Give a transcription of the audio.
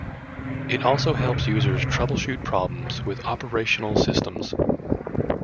It also helps users troubleshoot problems with operational systems.